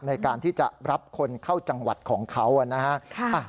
ในการที่จะรับคนเข้าจังหวัดของเขานะฮะ